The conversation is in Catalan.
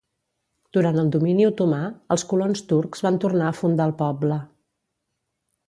Durant el domini otomà, els colons turcs van tornar a fundar el poble.